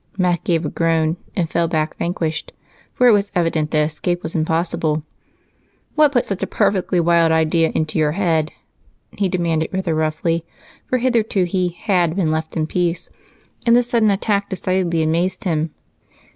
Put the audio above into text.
Mac gave a groan and fell back vanquished, for it was evident that escape was impossible. "What put such a perfectly wild idea into your head?" he demanded, rather roughly, for hitherto he had been left in peace and this sudden attack decidedly amazed him.